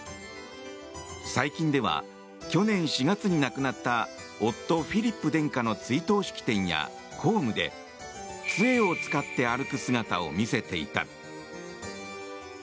最近では、去年４月に亡くなった夫・フィリップ殿下の追悼式典や公務で杖を使って歩く姿を見せていた。